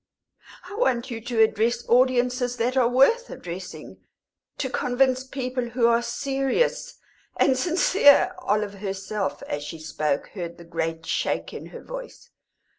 "I want you to address audiences that are worth addressing to convince people who are serious and sincere." Olive herself, as she spoke, heard the great shake in her voice.